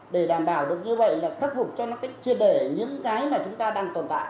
để đảm bảo được như vậy là khắc phục cho nó cách chia đổi những cái mà chúng ta đang tồn tại